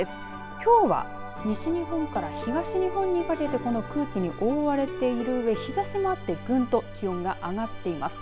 きょうは西日本から東日本にかけてこの空気に覆われているうえ日ざしもあってぐんと気温が上がっています。